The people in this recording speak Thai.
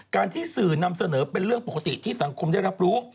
ที่สื่อนำเสนอเป็นเรื่องปกติที่สังคมได้รับรู้